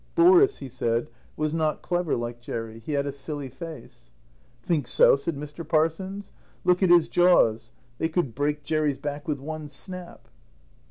Boris, he said, was not clever, like Jerry. He had a silly face. "Think so?" said Mr. Parsons. "Look at his jaws. They could break Jerry's back with one snap."